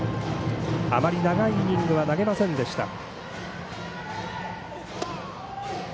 あまり長いイニングは投げませんでした。